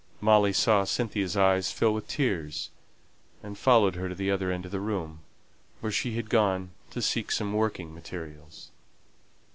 Molly saw Cynthia's eyes fill with tears, and followed her to the other end of the room, where she had gone to seek some working materials.